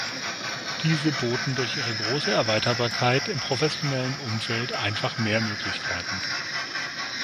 Diese boten durch ihre große Erweiterbarkeit im professionellen Umfeld einfach mehr Möglichkeiten.